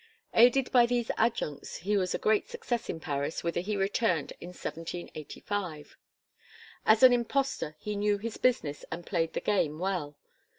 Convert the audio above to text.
Aided by these adjuncts he was a great success in Paris whither he returned in 1785. As an impostor he knew his business and played "the game" well.